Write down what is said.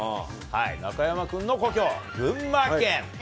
中山君の故郷、群馬県。